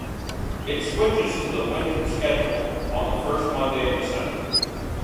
It switches to the winter schedule on the first Monday of December.